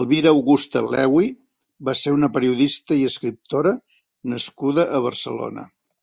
Elvira Augusta Lewi va ser una periodista i escritora nascuda a Barcelona.